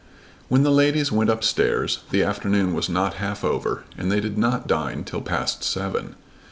When the ladies went up stairs the afternoon was not half over and they did not dine till past seven.